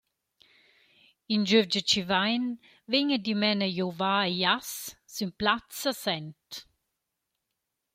In gövgia chi vain vegna dimena giovà a jass sün Plaz a Sent.